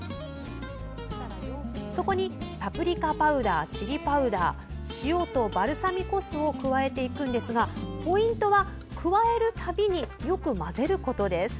そこに、パプリカパウダーチリパウダー塩とバルサミコ酢を加えていくんですがポイントは加えるたびによく混ぜることです。